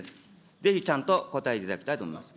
ぜひちゃんと答えていただきたいと思います。